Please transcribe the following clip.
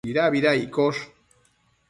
Nidabida iccosh?